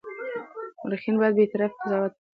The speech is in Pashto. مورخین باید بېطرفه قضاوت وکړي.